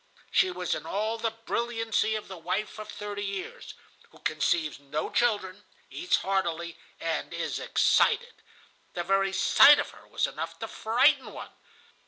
She was in all the brilliancy of the wife of thirty years, who conceives no children, eats heartily, and is excited. The very sight of her was enough to frighten one.